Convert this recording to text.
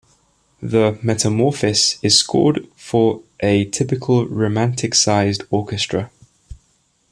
The "Metamorphosis" is scored for a typical Romantic-sized orchestra.